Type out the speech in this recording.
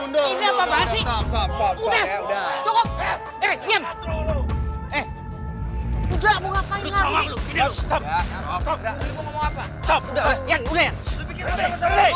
udah mau ngapain lagi